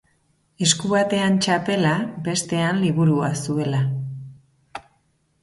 Esku batean txapela, bestean liburua zuela.